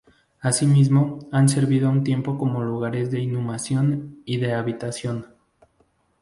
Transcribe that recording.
Asimismo han servido a un tiempo como lugares de inhumación y de habitación.